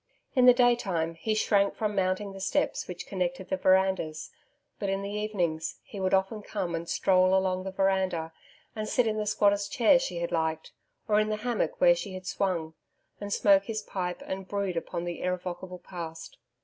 In the day time, he shrank from mounting the steps which connected the verandas, but in the evenings, he would often come and stroll along the veranda, and sit in the squatter's chair she had liked, or in the hammock where she had swung, and smoke his pipe and brood upon the irrevocable past.